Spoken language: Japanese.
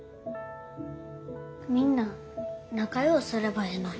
みんな仲良うすればええのに。